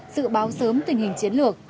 dự báo sớm tình hình chiến lược